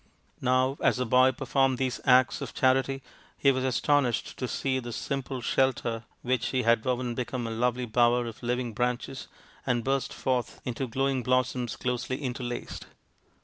Now as the boy performed these acts of charity he was astonished to see the simple shelter which he had woven become a lovely bower of living branches which burst forth into glowing blossoms closely interlaced.